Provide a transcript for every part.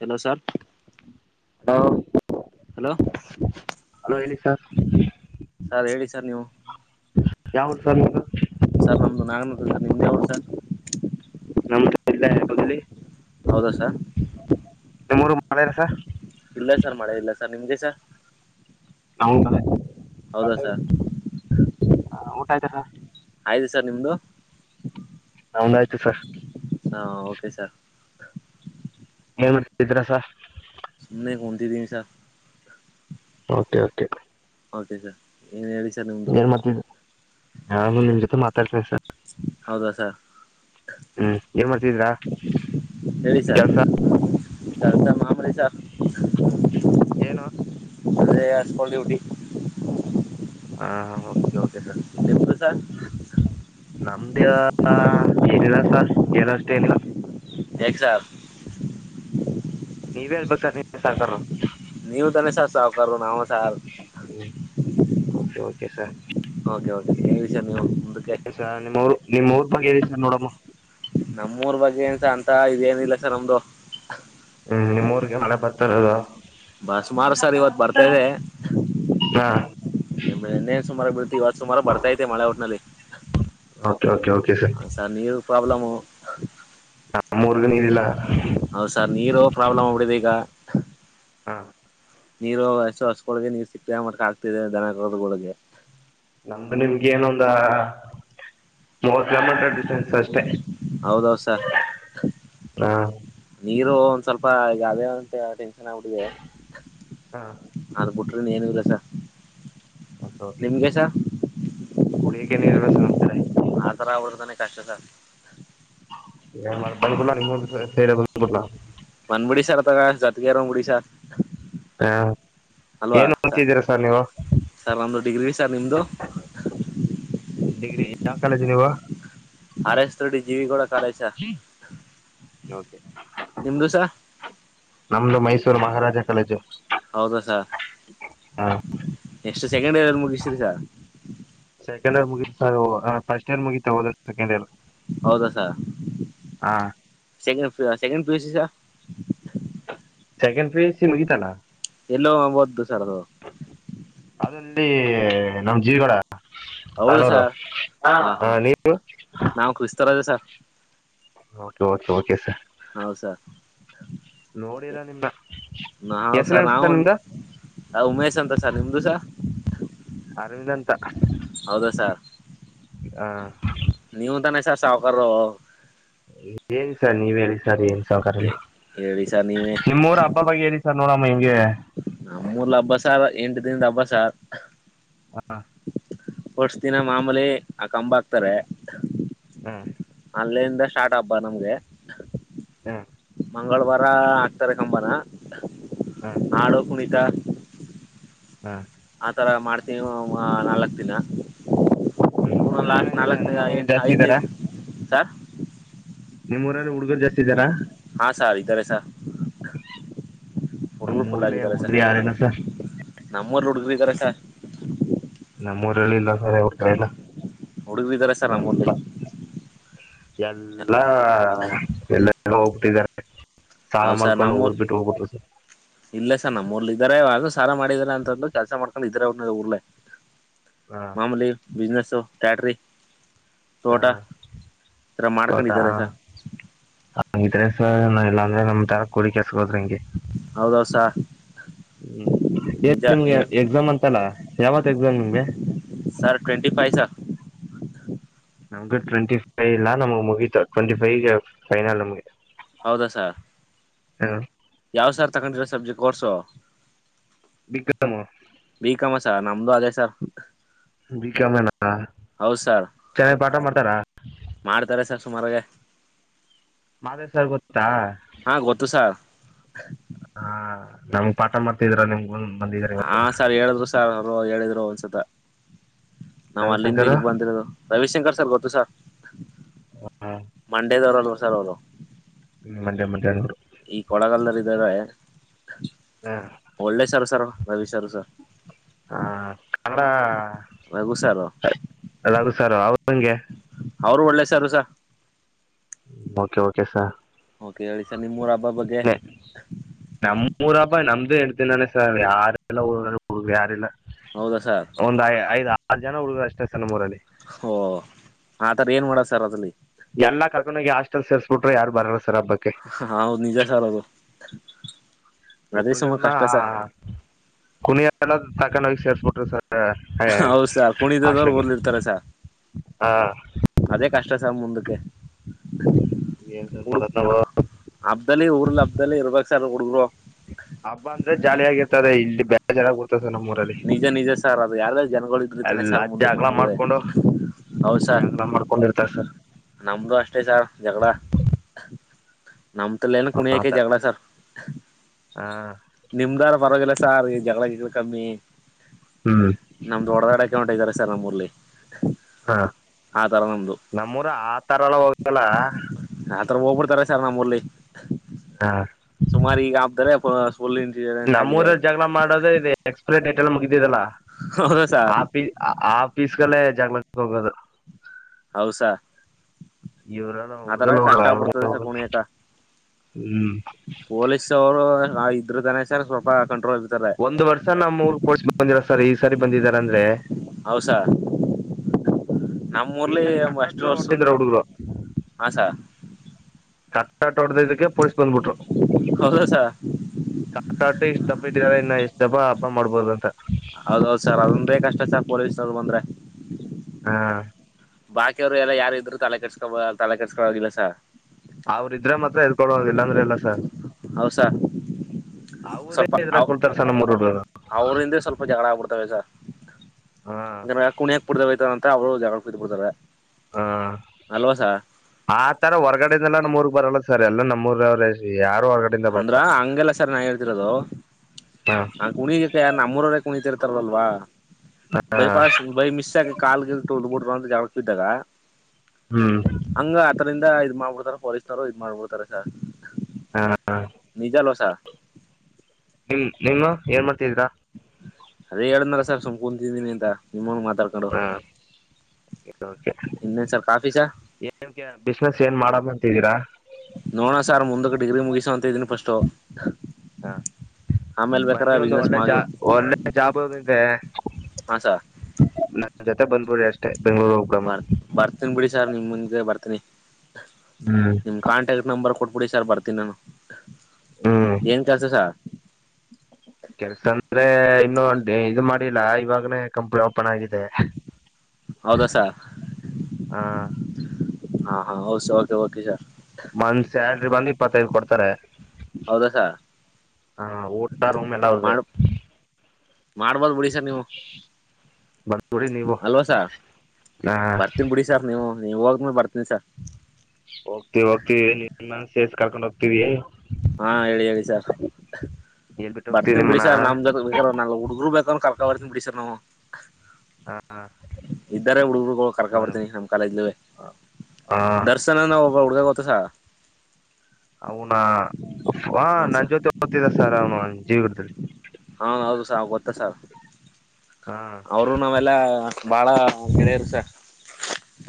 Hello sir ಹ hello sir sir ಹೇಳಿ sir ನೀವು ಯಾವ ಸದು ಸರ್ ನಮ್ದು ನಾಗನತ್ರ ಸರ್ ನಿಮ್ದ ಯಾವರು ಸರ್ ನಮ್ಲ್ಲೋಗಲಿ ಹೌದಾ ಸರ್ ಮಳೆಯಲ್ಲ ಸರ್ ಇಲ್ಲ ಸರ್ ಮಳೆ ಇಲ್ಲ ಸರ್ ನಿಮ್ದಸ ನೌನ್ ಅದ ಹೌದಾ ಸರ್ ಹ ಊಟ ಆಯ್ತಾರ ಆಯ್ತು ಸರ್ ನಿಮ್ದು ನನ್ನದು ಆಾಯ್ತು ಸರ್ ಹಾ ಓಕೆ ಸರ್ ಏನ್ಡ್ತಿದ್ರಸ ನ ಕೊತಿ ದಿವಿಸ ಕೆ ಕೆ ಓಕೆ ಸರ್ ನೀ ಹೇಳ ಏನ್ ಮಾಡತಿದ್ದು ನಾ ನಿಮ್ ಜೊತೆ ಮಾತಾಡ್ತಸ ಹೌದಾ ಸರ್ ಹ್ಮ್ ಏನ್ ಮಾಡ್ತಿದ್ರಾ ಹೇಳಿ ಸರ್ ಸರ್ಸ ಮಾಮೂಲಿ ಸರ್ ಏನು ಅೇ ಸ್ಕೂಲ್ ಡ್ಯೂಟಿ ಹಾ ಹ ೆ ಕೆ ಸ ನಿಮ್ದು ಸರ್ ನಮ್ದ ಏನಿಲ್ಲಸ ಏನ ಅಷ್ಟೇ ಏನಿಲ್ಲ ಎ ಸ ನೀವೇ ಹಳ್ಬೇಕ ಸರ್ ನೀವ ಸಕಾರ ನೀವು ತನಸಹ ಸಾಹಕಾರ ನಾವ ಹ್ಮ ಕೆ ಓಕೆ ಸರ್ ಓಕೆ ಓಕೆ ಸ ವಿಷ ನೀ ಎಕ್ಕೆ ನಿಮ್ಮ್ ಊರ್ ಬಗ್ಗೆ ಸರ್ ನೋಡಮ್ಮ ನಮ್ಮೂರ್ ಬಗ್ಗೆ ಏನ್ಸ ಅಂತ ಇದೇನಿಲ್ಲ ಸರ್ ನಮ್ದು ಹ್ಮ್ ನಿಮ್ಮ್ೂರ್ಗೆ ಮನೆೆ ಬತರದು ಬ ಸುಮಾರು ಸರ್ ಇವತ್ ಬರ್ತಾದೆ ಹಾ ನಿನ್ನೇನ್ ಸುಮಾರು ಬಿೀಡ್ತಿ ಇವತ್ತು ಸುಮಾರು ಬರ್ತೈತೆ ಮಳೆ ಔಟ್ನಲ್ಲಿ ಓಕೆ ಓಕೆ ಓೆ ಸರ್ ಹ ಸರ್ ನೀರು ಪ್ರಾಬ್ಲಮು ನಮ್ಮೂರ್ಗನ ಇಲಿಲ್ಲ ಹೌದು ಸರ್ ನೀರ ಪ್ರಾಬ್ಲಮ್ ಅಬಡದು ಈಗ ಹಾ ನೀರು ವಸ ಹೊಸಗಳೊಳಗೆ ನೀ ಸಿಕ್ತ ಮ್ಕ ಆಗ್ತಿದೆ ದನದಗಳಗೆ ನಮ್ದು ನಿಮ್ಗೆ ಏನೊಂದ ಮೂವತ್ತು ಕಿಲೋಮೀಟರ್ ಡಿಸ್ಟೆನ್ಸ್ ಅಷ್ಟೆ ಹೌದೌಸಾ ಹಾ ನೀರು ಒಂದ್ ಸ್ವಲ್ಪ ಈಗ ಅದೇ ಅಂತ ಹೇಳ ನ ಹುಡುಗೆ ಹಾ ನಲ್ ಬಿುಟ್ರಿ ಏನಲ್ಲಸ ೆ ಕುಡಿಯಕ್ಕೆ ನೀಲ್ಲ ಸರ್ ನಮಡೆ ನಾತರ ಆವಡ್ತಾನ ಕಷ್ಟಾಸ ಬ ಕೊಡ್ ನೀ ಸೇ ಬಡಲ ಮಂದಬಿಡಿ ಸಾರ್ ಅದಗ ಜತ್ಗೆಾರೋಗ್ ಬಿಡಿ ಸಾರ್ ಹಾ ಏನ್ ಅಂತಿದ್ದೀರಾ ಸರ್ ನೀವು ಸರ್ ನಮ್ದು ಡಿಗ್ರಿ ಸರ್ ನಿಮ್ದು ಡಿಗ್ರಿ ಯಾವ ಕಾಲೇಜ ನೀವ ಅರೆಷ್ಟ ತೋಡಿ ಜೀವಿ ಕೂಡ ಕಾಲಸ ಓಕೆ ನಿಮ್ದುಸ ಮಾರಾಜ ಕಲೆಜು ಹೌದಸ ಎಷ್ಟು ಸೆಕೆಂಡ್ ಏಲ್ಲಿ ಮುಗಿಸತರಿ ಸ ಸೆಂಡ್ ಮುಗಫಸ್ಟ್ ಇಯರ್ ಮುಗಿತಾ ಹೋದ ಸೆಕಂಡ್ ಇರ್ ಹೌದಸ ಹಾ ಚಗ ಸೆಕಂಡ್ ಪ ಸೆಕೆಂಡ್ ಪ್ರೇಜ ಸಿ ಮುಗಿತಾ ಎಲ್ಲೋಬದ್ದು ಸರ್ದು ಅದಲ್ಲಿ ನಮ್ ಜೀವಿಗಳ ಹೌದು ಆನೂರು ಸರ್ ಹ ಹಾ ಹಾ ನೀವು ನಾವು Kristaraja sir okay okay okay sir ಹೌಸಾ ನೋಡಿರ ನಿಮ್ಮ ಎಷ್ಟನೆನ್ತ ನಿಮ್ದ ಹ ಉಮೇಶ್ ಅಂತಸ ನಿಮ್ದುಸ ಅರವಿಂದ ಅ ಹೌದ ಸರ್ ಆ, ನೀವುಂತಾನೆ ಸರ್ ಸಾವಕಾರು ಿ ಸರ್ ನೀವ್ ಹೇಳಿ ಸರ್ ಏನ್ ಸಹಕಾರ ಎಲ್ಲ ಹೇಳಿ ಸರ್ ನೀವೇ ನಿಮ್ಮೂಊರ ಹಬ್ಬ ಬಗ್ ಹೇಳ ಸರ್ ನೂರಾಮ ನ ಮೂೂರ್ಲ ಹಬ್ಬಸಾರ ಎಂಟು ದಿನದ ಹಬ್ಬ ಸಾರ ಹಾ ಹೊರ್ಸ್ ದಿನ ಮಾಮೂಲಿ ಆ ಕಂಬ ಹಾಕ್ತಾರೆ ಹಾ ಅಲ್ಲಿೆಯಿಂದ ಸ್ಟಾರ್ಟ್ ಹಬ್ಬ ನಮ್ಗೆ ಹಾ ಮಂಗಳವಾರ ಹಾಕ್ತಾರೆ ಕಂಬನ ಹ್ಮ್ ಹಾಡು ಕುಣಿತ ಹಾ ಆತರ ಮಾಡ್ತೀನಿ ನಾಲ್ಕ್ ದಿನ ಹ್ಮ್ ು ಹುಡುಗರು ಲಾಸ್ಟ್ ಚೆನ್ನಾಗಿದೆ ನಾಲ್ಕು ನಮ್ಮೂರಲ್ಲಿ ಜಾಸ್ತಿ ಐದದು ಸಾರ್ ನಿಮ್ಮ್ೂಊಲ್ಲಿ ಹುಡುಗರು ಜಾಸ್ತಿ ಇದ್ದಾರಾ ಹಾ ಸರ್ ಇದ್ದಾರೆ ಸರ್ ಹುಡುಗರು ನಮ್ಮೂರಲ್ಲಿ ಫುಲ್ಗಿದ್ದಾರೆ ಸರ್ ಹುಡುಗರು ಯಾರಿಲ್ಲ ಸರ್ ನಮ್ಮೂರು ಹುಡುಗರು ಇದ್ದಾರೆ ಸಾರ್ ನಮ್ಮೂಊರಲ್ಲಿ ಇಲ್ಲ ಸಲ್ಲ ಹುಡುಗರು ಇದ್ದಾರೆ ಸರ್ ನಮ್ಮೂರ್ಲಿ ಎಲ್ಲ ಎಲ್ಲಾ ಎಲ್ಲ ಹೋಗ್ಟ್ಟಿದ್ದಾರೆ ಸಾರಾ ಹೌದ್ ಸರ್ ಮಳಕನ್ನು ನಮ್ಮೂರ್ ಊರ್ಬಿಟು ಹಬಟ್ಟುಸ ಇಲ್ಲೇ ಸರ್ ನಮ್ಮ್ೂಊರ್ಲಿ ಇದ್ದಾರೆ ಯು ಸ ಮಾಡಿದಿದ್ದಾರೆ ಅಂತಂದು ಕೆಲಸ ಮಾಡ್ಕೊಂಡು ಇದ್ರ ಅವ್ರ ಊರ್ಲೆೇ ಹಾ ಮಾಮೂಲಿ ಬಿಿಸ್ಿನಸ್ು ಟ್ಯಾಟ್ರರಿ ಹ ತತಾ ಮಾಡ್ಕೊಂಡಿದ್ದಾರೆ ಸರ್ ಹಿದ್ರಸ ಎಲ್ಲ ನಮ್ ದರಕ್ ಕುಡ ಕಸ ಹೋದ್ರ ಹಂಗೆ ಹೌದೌಸಾ ಹ್ಮ್ ಏನ್ ನಿಮ್ಗೆ ಎಕ್ಸಾಮ್ ಅಂತಲ್ಲ ಯಾವತ್ ಎಕ್ಸಾಮ್ ನಿಮ್ಗೆ ಸರ್ ಟ್ವೆಂಟಿ ಫೈ್ ನಮ್ ಟ್ವೆಂಟಿ ಫೈವ ನಮ ಮುಗಿತ ಟ್ವೆಂಟಿ ಫೈವ ೈನಲ್ ಮು ಹೌದಾ ಸ ಹಾ ಯಾವ್ ಸಾರ್ ತಗೊಂಡಿರ subject course BCom B com sir ನಮ್ದು ಅದೇ ಸರ್ ಬಿಕಾಮೇನಾ ಹೌದ್ ಸರ್ ಚೆನ್ನಾಗಿ ಪಠ ಮಾಡ್ತಾರಾ ಸುಮಾರಗೆ ಮಾದೇವ್ ಸರ್ ಗೊತ್ತು. ಹಾ ಗೊತ್ತು ಸಾ ಹ ನಮ್ಗ್ ಪಾಠ ಮಾಡ್ತಿದ್ರ ನಿಮಗ [unintelligible] ಹಾ ಸರ್ ಹೇಳಿದ್ರು ಸಾರ್ ಹೇಳಿದ್ರು ಒಂದ್ಸತ ನಾವ್ ಅಲ್ಲಿಂದ ರವಿಶಂಕರ್ ಇಲ್ಗ್ ಬಂದಿರೋದು ರವಿಶಂಕರ್ ಸರ್ ಗೊತ್ತು ಸರ್. ಹಾ, ಮಂಡೇದವರಲ್ಲ ಸರ್ ಅವರು ಹ್ಮ್ ಮಂಡೆ ಮಂಡ್ಯಾದರು. ಈ ಕೊಳಗಲ್ದಗ್ ಇದ್ರೆ ಹಾ, ಒಳ್ಳೆ ಸರ್ ಸರ್ ಭವಿಸಾರು ಸರ್ ಹ ಕನ್ನಡ ರಘು ಸರ್ ಅದದು ಸಾರ ಅವರುಂಗೆ. ಅವ್ರು ಒಳ್ಳೆ ಸಾರು ಸಾ ಓಕೆ ಓಕೆ ಸರ್ ಓಕೆ ಹೇಳಿ ಸರ್ ನಿಮ್ಮೂರು ಹಬ್ಬ ಬಗ್ಗೆ ಊರ್ ಹಬ್ಬ ನಮ್ದೇಎಂಟು ದಿನನೇ ಸಾ [unintelligible] ನಮ್ದು ಹೇಳ್ತೀನ [unintelligible] ನಾನೆ ಸರ್ ಯಾರಲ್ಲ ಯಾರಲ್ಲ ಹೌದಾ ಸರ್ ಒಂದ್ ಐ ಐದ್ ಆರು ಜನ ಹುಡುಗರು ಅಷ್ಟೇ ಸರ್ ನಮ್ಮ ಊರಲ್ಲಿ. ಓ ಆತರ ಏನ್ ಮಾಡ ಸರ್ ಅದಲ್ಲಿ. ಎಲ್ಲ ಕರ್ಕೊಂಡೋಗ ಹಸ್ಟೆಲ್ ಸೇರಿಸಸ್ಬಿಟ್ರೆ ಯಾರ ಬರಲ್ಲ ಸರ್ ಹಬ್ಬಕ್ಕೆ ಹ್ಮ್ ಹೌದು ನಿಜ ಸರ್ ಅದು. ಅದೇ ಸುಮ ಹುಡ್ಗನ್ನ ಕಷ್ಟ ಸರ್ ಕುಣಿಯ ಎಲ್ಲ ತಕನೋಗಿ ಸೇರ್ಸ್ಬಿಟ್ರರು ಸರ್. ಹ ಹ ಹೌದು ಸರ್ ಕುಣಿದದವ್ರು ಹಾಸ್ಟೇಲಿಗೆ ಊರ್ಲಿರ್ತಾರೆ ಸರ್ ಅದೇ ಕಷ್ಟ ಸರ್ ಮುಂದಕ್ಕೆ ಏನ್ ಸರ್ ಹಡು ಮಾಡೋದ್ ನಾವು ಹಬ್ದಲ್ಲಿ ಊರ್ಲ್ ಹಬ್ಬ್ದದಲ್ಲಿ ಇರ್ಬೇಕ ಸರ್ ಹುಡುಗರು ಹಬ್ಬ ಅಂದ್ರೆ ಜಾಲಿಯ ಆಗಿರ್ತದೆ ಇಲ್ಲಿ ಬೇಜಾರ್ ಆಗಬು ಟ್ಟುದದೇ ಗೊತ್ತ ನಿಜ ನಿಜ ಸಾರ್ ಅದು ಯಾರ ಜನಗಳು ಇದ್ರತಾನನೆ. ಎಲ್ಲ ಸಾರ್ ಮುಂದಕ್ಕೆ ಜಗಳ ನಮಗ ಮಾಡ್ಕೊಂಡು ಹೌಸಾರ್. [unintelligible] ನಮ್ದು ಅಷ್ಟೇ ಸಾರ್ ಜಗಳ. ನಮ ತಲ್ಲ ಏನ ಕುಣಿಯಕ ಆತ ಜಗಳ ಸರ್ ಹಾ ನಿಮ್ದಾರ ಪರವಾಗಿಲ್ಲ. ಸಾರ್ ಈ ಜಗಳ ಜಿಗಳ ಕಮ್ಮಿ ಹ್ಮ್ ನಮ್ದೊಡ ದಡಕ ಹೊಟವೈತಾರೆ ಸರ್ ನಮ್ಮ್ಊರ್ಲ್ಲಿ. ಹಾ ನಮ್ಮೂರ ಆ ತರ ಎಲ್ಲ ಹೋಗತಲ್ಲ. ಹೋಗ್ಬಿಡ್ತಾರೆ ಸರ್ ನಮ್ಮಲ್ಲಿ ಹಾ ಸುಮಾರ ಈಗ ಹಬತಾರೇ [unintelligible] ನಮ್ಮ್ಊರಲ್ಲಿ ಜಗಳ ಮಾಡೋದೇ ಇದೆ. [unintelligible] ಪ್ಲೇಟ್ಲ್ಲ ಮುಗಿದಿದ್ದಲ್ಲ ಹೌದಾ ಸಾರ್ ಆ ಪೀ ಆ ಪೀಸ್ಗಲ್ಲೇ ಜಾಗಳಕ್ಕೆ ಹೋಗೋದು. ಹೌಸಾ ಇವರೆಲ್ಲ ಆ ತರ ಹುಡುಗಲ್ ಕಷ್ಟ ಹೋಗಲ್ಲ ಅವರೇ ಪಡ್ತದೆಸ ಹೋಗೋದು ಕುಣಿಯಕ ಹ್ಮ್ ಪೊಲೀಸ್ ಅವರು [unintelligible] ಇದ್ರ ತಾನೇ ಸರ್ ಸ್ವಲ್ಪ ಕಂಟ್ರೋಲ್. ಇರ್ತಾರೆ ಒಂದ್ ವರ್ಷ ನಾ ನಮ್ಮೂರು ಪೊಲೀಸರು ಬಂದಿಲ್ಲ ಸರ್ ಈ ಸಾರಿ ಬಂದಿದಾರ ಅಂದ್ರೆ ಹೌ ಸರ್ ಈ ನಮ್ಮೂರ್ಲಿ ಸಾರಿ ಅಷ್ಟು [unintelligible] ವರ್ಷದಿಂದ ಹೊಟ್ಟಿದ್ರು ಹುಡುಗರು ಹಾ ಸರ್ ಕಟ್ಟಟ ಹೊಡದ ಇದಕ್ಕೆ ಪೊಲೀಸ್ ಬಂದ್ಬಿಟ್ರು. ಹೌದಾ ಸರ್ ಕಟಾಟ [unintelligible] ಇಷ್ಟಪ್ಪ ಇದಾರೆ ಇನ್ನು ಇಷ್ಟಪ್ಪ ಹಬ್ಬ ಮಾಡ್ಬೋದ ಅಂತ. ಹೌದೌದು ಸರ್ ಅದಂದೆ ಕಷ್ಟ ಸರ್ ಪೊಲೀಸ್ನವ್ರು ಬಂದ್ರೆ. ಹಾ ಬಾಕಿಯವ್ರು ಎಲ್ಲ ಯಾರ ಇದ್ರು ತಲೆ ಕಟ್ಟಸ್ಕೊ ತಲೆ ಕಟ್ಟಸ್ಕೊಳದಿಲ್ಲ ಸ. ಅವ್ರ ಇದ್ರೆ ಮಾತ್ರ [unintelligible] ಎದಕೊಡುವ ಇಲ್ಲಾಂದ್ರೆ ಇಲ್ಲ ಸರ್. ಹೌಸಾ ಅವರೇ ಸ್ವಲ್ಪ ಅವ ಎದ್ರಾಕೊಳ್ತಾರ ಸರ್ ನಮ್ಮೂರ್ ಹುಡುಗರು ಅವರಿಂದೆ ಸ್ವಲ್ಪ ಜಗಳ ಆಗ್ಬಿಡ್ತವೆ ಸರ್. ಹ ಹಾ [unintelligible] ಕುಣಿಯಕ್ ಬಿಡದೇವತವೇ ಅಂತ ಅವ್ರು ಜಗಳಕ್ಕೆ ಬಿಡಿಬಿಡ್ತವೆ. ಹ ಆ ತರ ಹೊರಗಡೆಯಿಂದಲ್ಲ ಮೂರ್ ಬರೋಲ್ಲ ಸರ್ ಎಲ್ಲ ನಮ್ಮೂರ ಅವ ಅಂದ್ರ ಹಂಗೆಲ್ಲ ಸರಿ ನಾ ಹೇಳ್ತಿರೋದು ಹಾ ಆ ಕುಣಿಗಕ್ಕೆ ಯಾರ ನಮ್ಮೂರವರೇ ಕುಣಿತಿರ್ತಾರಲ್ವಾ ಬೈಪಾಸ್ ಬೈ ಮಿಸ್ಸಾಗ್ ಕಾಲ್ಗೆಲ್ ಗಿಲ್ ತೊಳೆಬಿಟ್ ಜಾಗಕ್ಕೆ ಇದ್ದಾಗ ಹ್ಮ್ ಹಂಗ ಅತರಿಂದ ಇ ಇ ಮಾಡ್ಬಿಡ್ತಾರ ಫಾರಿಸ್ನರು ಇದ್ ಮಾಡ್ಬಿಡ್ತಾರ ಸರ್ ಹಾ ನಿಜ ಅಲ್ವಾ ಸ ನಿಮ ನೀನು ಏನ್ ಮಾಡ್ತಿದ್ದೀರಾ ಅದೇ ಹೇಳನಾರ ಸರ್ ಸುಮ್ ಕುಂತಿದ್ದೀನಿ ಅಂತ ನಿಮ್ಮಾಗ ಮಾತಾಡ್ಕೊಂಡು ಹಾ ಇನ್ನೇನ್ ಸರ್ ಕಾಫಿ ಸರ್ ಏನ್ ಬಿಸ್ನೆಸ್ ಏನ್ ಮಾಡಬ ಅಂತಿದೀರಾ ನೋಣ ಸಾರ್ ಮುಂದಕ್ಕೆ ಡಿಗ್ರಿ ಮುಗಸ ಅಂತ ಇದೀನಿ ಫಸ್ಟ್ ಹಾ ಬನ್ನಿ ಒಂದು ಒಳ್ಳೆ ಜಾ ಒಳ್ಳೆ ಜಾಬ್ಂತೆ ಹಾ ಸರ್ ನ ಜೊತೆ ಬಲ್ಬೂರಿ ಅಷ್ಟೆ ಬೆಂಗಳೂರು ಉಬ್ಗಾಮ ಬರ್ ಬರ್ತೀನಿ ಬಿಡಿ ಸರ್ ನಿಮ್ ಮುಂದೆ ಬರ್ತೀನಿ ಹ್ಮ್ ನಿಮ್ ಕಾಂಟ್ಯಾಕ್ಟ್ ನಂಬರ್ ಕೊಟ್ಬಿಡಿ ಸರ್ ಬರ್ತೀನಿ ನಾನು ಹ್ಮ್ ಏನ್ ಕೆಲ್ಸ ಸರ್ ಕೆಲ್ಸ ಅಂದ್ರೆ ಇನ್ನು ಇದು ಮಾಡಿಲ್ಲ ಇವಾಗನೇ ಕಂಪ್ನಿ ಓಪನ್ ಆಗಿದೆ ಹೌದಾ ಸ ಆ ಹಾ ಹಾ ಹೌಸ ಕೆ ಓಕೆ ಸಾರ್ ಮಂತ್ ಸ್ಯಾಲ್ರಿ ಬಂದು ಇಪ್ಪತ್ತೈದು ಕೊಡ್ತಾರೆ ಹೌದಸ ಆ ಊಟ ರೂಮ್ ಎಲ್ಲ ಅವ್ರದೇ ಮಾಡ ಮಾಡ್ಬೋದ್ ಬುಡಿ ನೀವು ಬಂದ್ಬಿಡಿ ನೀವು ಅಲ್ವಾ ಸ ಹಾ ಬರ್ತೀನ್ ಬಿಡಿ ಸರ್ ನೀವು ಹೋಗ ಬತ ಹೋಗ್ತವಿ ಹೋಗ್ತವಿ ನಿ ಮನ್ಸೇಸ್ ಕರ್ಕೊಂಡ್ ಹೋಗ್ತೀವಿ ಹಾ ಹೇಳಿ ಹೇಳಿ ಸರ್ ಹೇಳ್ಬಿಟ್ಟು ಹೋಗ್ತಿವಿ ಬರ್ತಿ ಬಿಡಿ ನಿಮ್ಮನ್ನ ಸರ್ ನಮ್ದ ಬೇಕ ನ ಹುಡುಗ್ರು ಬೇಕಂದ್ರ ಕರ್ಕೊ ಬರ್ತನ್ ಬಿಡಿ ಸರ್ ನಾವು ಹಾ ಇದ್ದರೆ ಹುಡುಗರು ಕರ್ಕೊ ಮಾಡಿ- ಬರ್ತೀನಿ ನಮ್ಮ್ ಕಾಲೇಜ್ ಹಾ ದರ್ಶನ ಒಬ್ಬ ಹುಡುಗ ಪ್ಪ ಸ ಅವನ ಆ ನನ್ ಸರ್ ಜೊತೆ ಓದ್ತಿದ ಸರ್ ಅವನು ಜೀವಿ ಗಿಡದಲ್ಲಿ ಹಾ ಹೌದು ಸ ಗೊತ್ತಾ ಸರ್ ಹಾ ಅವರು ನಾವೆಲ್ಲಾ ಬಾಳ ಗಿಡ ಇರ್ಸ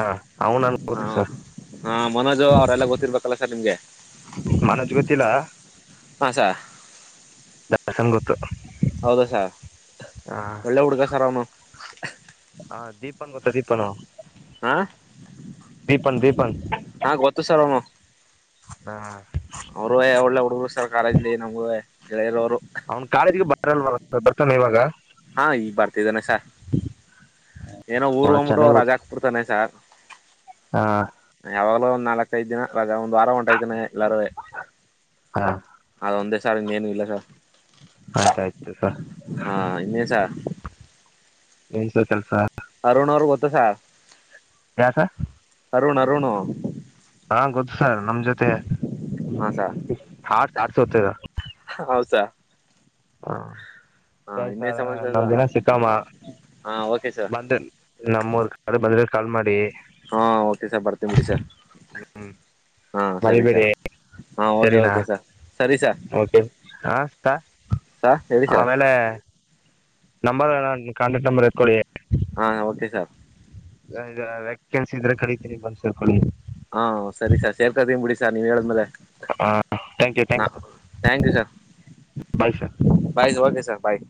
ಹಾ ಅವನು ನನ್ ಹಾ ಗೊತ್ತು ಸರ್ ಹಾ ಮನೋಜ್ ಅವರೆಲ್ಲ ಗೊತ್ತಿರ್ಬೇಕಲ್ಲ ಸರ್ ನಿಮ್ಗೆ ಮನಜ್ ಗೊತ್ತಿಲ್ಲ ಹಸಾ ದರ್ಶನ್ ಗೊತ್ತು ಹೌದಸ ಹಾ ಒಳ್ಳೆ ಹುಡ್ಗ ಸರ್ ಅವನು ಹಾ ದೀಪನ್ ಗೊತ್ತಾ ದೀಪನ ಹಾ ದೀಪನ್ ದೀಪನ್ ಹಾ ಗೊತ್ತು ಸರ್ಮ್ಮ ಹಾ ಕೆಳೋರು ಅವ್ನ್ ಕಾಲೇಜ್ಗ ಬರಲ್ವ ಬರ್ತಾನೆ ಇವಾಗ ಹಾ ಈಗ ಬರ್ತಿದ್ದಾನೆ ಸಾರ್ ಏನೋ ಊರ್ ಬಹಳ ಹೋಗ್ಬಿಟ್ಟು ಚೆನ್ನಾಗಿ ರಗ ಗೊತ್ತು ಹಾಕ್ ಬಿಡ್ತಾನೆ ಸಾರ್ ಹಾ ಯಾವಾಗ್ಲೂ ಒಂದ್ ನಾಲ್ಕ್ಐದ್ ದಿನ ರ ಒಂದ್ ವಾರ ಹೊಂಟಾಯ್ತಾನ ಎಲ್ಲಾರೇ ಹಾ ಅದೊಂದೇ ಸಾರ್ ಇನ್ನೇನು ಇಲ್ಲ ಸರ್ ಆಯ್ತ ಆಯ್ತು ಸರ್ ಹಾ ಇನ್ನೇಶ ಎಏನ್ಸ ಕೆಲ್ಸ ಸರ್ ಕಸ ಅರುಣ್ ಅರುಣ್ ಹಾ ಗೊತ್ತು ಸರ್ ನಮ್ ಜೊತೆ ಹಾ ಹಡ್ ಆಡ್ಸೋತದ ಹೌಸಾ ಹ್ಮ ಸರಿ ಸರ್ ಸಮಾಚಾರ ನಮ ಸರ್ ದಿನ ಸಿಕ್ಕಾಮ ಹಾ ಓಕೆ ಸರ್ ಬಂದ್ರ ನಮ್ಮೂರು ಕಡೆ ಬಂದ್ರ ಕಾಲ್ ಮಾಡಡಿಿ ಹಾ ಓಕೆ ಸರ್ ಬರ್ತೀನ ಬಿಡಿ ಸರ್ ಹ್ಮ್ ಹಾ ಸರಿ ಮರಿಬೇಡಿ ಸರ್ ಹಾ ಓಕೆ ಸರಿನಾ ಓಕೆ ಸರ್ ಸರಿ ಸರ್ ೆ ಹ ಸರ್ ಹೇಳಿ ಸರ್ ಆಮೇಲೆ ನಂಬರ್ ನು ಕಂಡ ನಮ್ಮ ರ ಕೊೊೊಳ್ಳ ಹಾ ಓಕೆ ಸರ್ ವ್ಯಾಕೆನ್ಸಿ ಇದ್ರೆ ಕರಿಿತೀನಿ ಬಂದಸರ್ಕೊಂಡ ನೀವ ಹೇಳಿದ್ಮೇಲೆ ಥ್ಯಾಂಕ್ ಯು ನ thanks thank you sir bye sir bye okay sir bye